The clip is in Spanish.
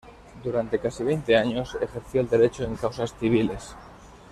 Durante casi veinte años ejerció el derecho en causas civiles.